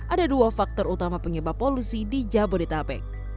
ada dua faktor utama penyebab polusi di jabodetabek